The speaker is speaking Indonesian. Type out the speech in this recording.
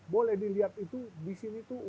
boleh dilihat itu di sini tuh